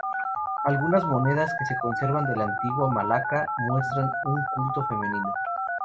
Algunas monedas que se conservan de la antigua Malaka muestran un culto femenino.